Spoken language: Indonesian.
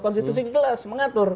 konstitusi jelas mengatur